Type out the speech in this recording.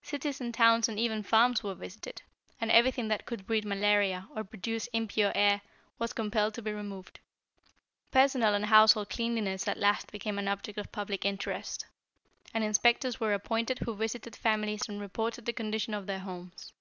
Cities and towns and even farms were visited, and everything that could breed malaria, or produce impure air, was compelled to be removed. Personal and household cleanliness at last became an object of public interest, and inspectors were appointed who visited families and reported the condition of their homes.